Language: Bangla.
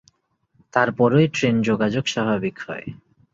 তারপরই ট্রেন যোগাযোগ স্বাভাবিক হয়।